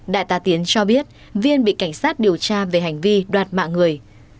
đại tá tiến cho biết viên bị cảnh sát điều tra về hành vi đoạt mạng người